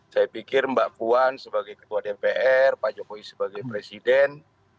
saya pikir mbak puan sebagai ketua dpr pak jokowi sebagai presiden